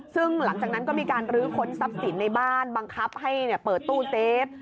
ซึ่งหลังจากนั้นก็มีการลื้อค้นทรัพย์สินในบ้านบังคับให้เปิดตู้เซฟ